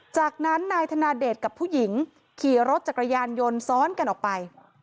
จากนั้นนายธนาเดชกับผู้หญิงขี่รถจักรยานยนต์ซ้อนกันออกไป